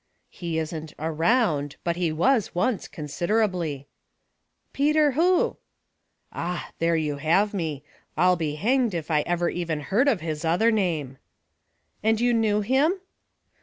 " He isn't ' around,' but he was once, consid erably." "Peter who?" " Ah I there you have me. Pll be hanged if I ever even heard of his other name.'' " And you knew him